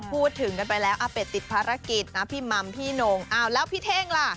พูดถึงกันไปแล้วอาเป็ดติดภารกิจนะพี่มัมพี่โน่งอ้าวแล้วพี่เท่งล่ะ